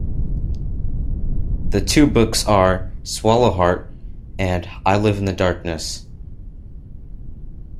The two books are Swallow Heart and I live in the darkness.